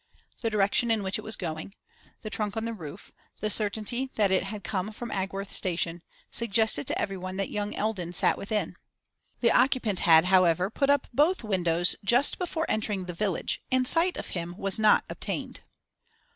The direction in which it was going, the trunk on the roof, the certainty that it had come from Agworth station, suggested to everyone that young Eldon sat within. The occupant had, however, put up both windows just before entering the village, and sight of him was not obtained.